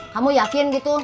kamu yakin gitu